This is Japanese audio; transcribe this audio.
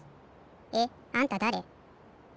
えっあんただれ？